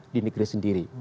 di negeri sendiri